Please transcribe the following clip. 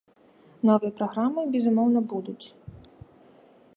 Новыя праграмы, безумоўна, будуць.